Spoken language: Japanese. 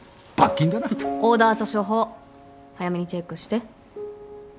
オーダーと処方早めにチェックして。